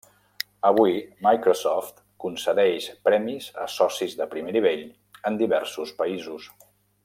Avui, Microsoft concedeix premis a socis de primer nivell en diversos països.